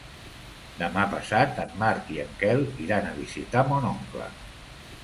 Demà passat en Marc i en Quel iran a visitar mon oncle.